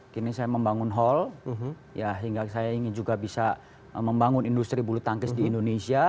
kini saya membangun hall hingga saya ingin juga bisa membangun industri bulu tangkis di indonesia